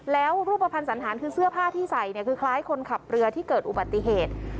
แล้วรูปภัณฑ์สันหารคือเสื้อผ้าที่ใส่เนี่ยคือคล้ายคนขับเรือที่เกิดอุบัติเหตุ